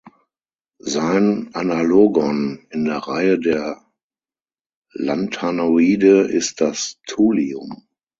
Sein Analogon in der Reihe der Lanthanoide ist das Thulium.